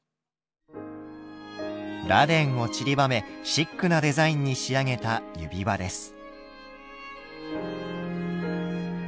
螺鈿をちりばめシックなデザインに仕上げた指輪です。